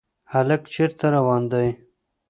هلک چېرته روان دی ؟